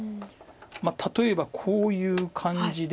例えばこういう感じで。